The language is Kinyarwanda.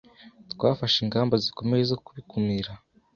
Twafashe ingamba zikomeye zo kubikumira.